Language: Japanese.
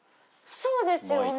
そうですよね。